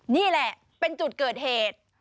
นี่แหละเป็นจุดเกิดเหตุ